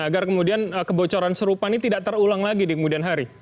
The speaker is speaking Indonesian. agar kemudian kebocoran serupa ini tidak terulang lagi di kemudian hari